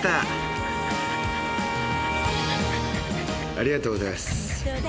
ありがとうございます。